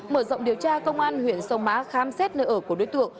mở rộng điều tra công an huyện sông mã khám xét nơi ở của đối tượng